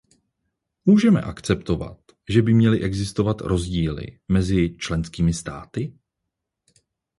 Můžeme akceptovat, že by měly existovat rozdíly mezi členskými státy?